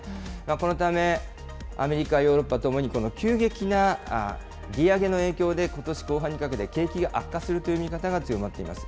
このためアメリカ、ヨーロッパともにこの急激な利上げの影響で、ことし後半にかけて、景気が悪化するという見方が強まっています。